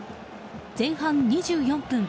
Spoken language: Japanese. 前半２４分